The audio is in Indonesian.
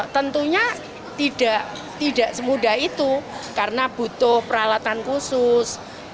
tentunya tidak semudah itu karena butuh peralatan khusus